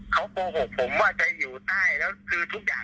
เขาโกหกผมว่าจะอยู่ใต้แล้วคือทุกอย่าง